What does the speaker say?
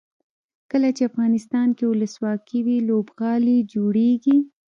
کله چې افغانستان کې ولسواکي وي لوبغالي جوړیږي.